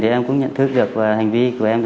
em cũng nhận thức được hành vi của em